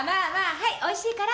はいおいしいから。